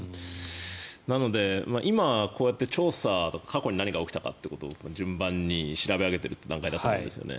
なので、今こうやって調査過去に何が起きたかってことを順番に調べ上げている段階だと思うんですよね。